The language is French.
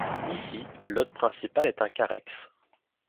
Ici l'hôte principal est un carex.